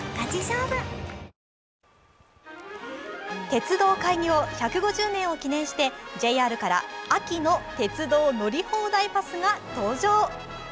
鉄道開業１５０年を記念してＪＲから秋の乗り放題パスが登場。